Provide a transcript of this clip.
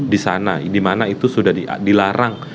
di sana dimana itu sudah dilarang